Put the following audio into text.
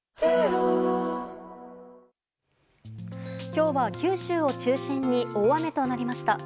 今日は九州を中心に大雨となりました。